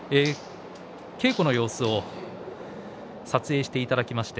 稽古の様子を撮影していただきました。